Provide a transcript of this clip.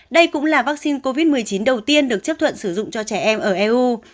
đây cũng là vaccine covid một mươi chín đầu tiên được chấp thuận sử dụng cho trẻ em ở eu